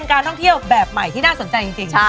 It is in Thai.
การท่องเที่ยวแบบใหม่ที่น่าสนใจจริง